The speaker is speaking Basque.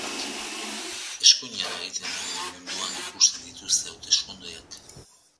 Eskuinera egiten ari den munduan ikusten dituzte hauteskundeak.